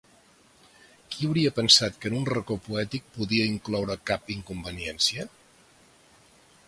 Qui hauria pensat que un racó poètic podia incloure cap inconveniència?